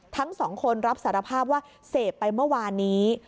ทั้งสองคนรับสารภาพว่าเสพไปเมื่อวานนี้